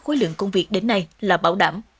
khối lượng công việc đến nay là bảo đảm